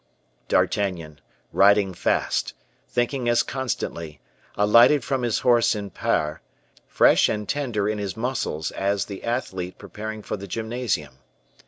D'Artagnan, riding fast, thinking as constantly, alighted from his horse in Pairs, fresh and tender in his muscles as the athlete preparing for the gymnasium.